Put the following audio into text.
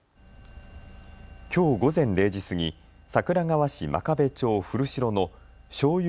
きょう午前０時過ぎ桜川市真壁町古城のしょうゆ